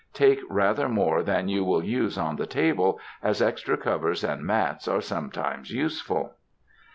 Take rather more than you will use on the table, as extra covers and mats are sometimes useful.